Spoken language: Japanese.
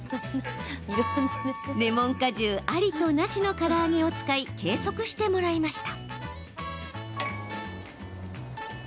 レモン果汁ありと、なしのから揚げを使い計測してもらいました。